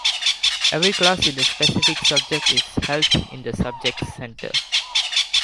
Every class in a specific subject is held in the subject's center.